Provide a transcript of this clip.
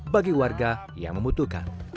bagi warga yang membutuhkan